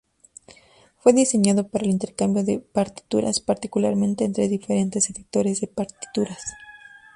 Fue diseñado para el intercambio de partituras, particularmente entre diferentes editores de partituras.